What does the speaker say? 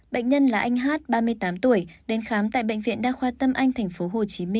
bệnh nhân là anh hát ba mươi tám tuổi đến khám tại bệnh viện đa khoa tâm anh tp hcm